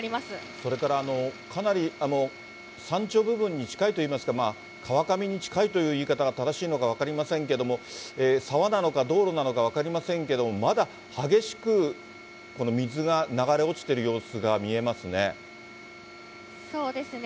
それから、かなり山頂部分に近いといいますか、川上に近いという言い方が正しいのか分かりませんけれども、沢なのか道路なのか分かりませんけれども、まだ激しく水が流れ落ちている様子が見えますね。